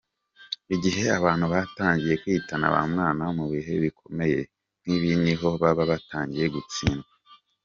Igihe abantu batangiye kwitana bamwana mu bihe bikomeye nk’ibi niho baba batangiye gutsindwa.